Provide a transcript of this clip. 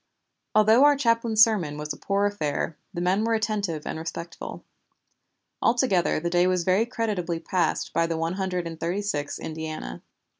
Although our chaplain's sermon was a poor affair, the men were attentive and respectful. Altogether the day was very creditably passed by the One Hundred and Thirty sixth Indiana.